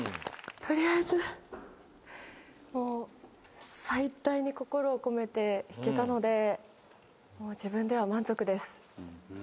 取りあえずもう最大に心を込めて弾けたので自分では満足です。